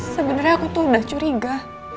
sebenarnya aku tuh udah curiga